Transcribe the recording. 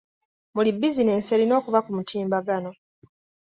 Buli bizinensi erina okuba ku mutimbagano.